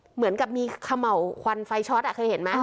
เหมือนกับมีเขม่าวควันไฟช็อตเคยเห็นไหม